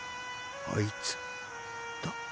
あいつだ。